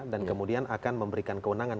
dan kemudian akan memberikan kewenangan